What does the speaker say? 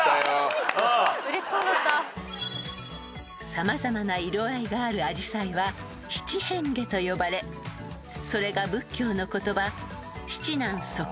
［様々な色合いがあるアジサイは七変化と呼ばれそれが仏教の言葉］